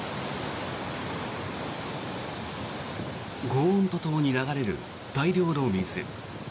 ごう音とともに流れる大量の水。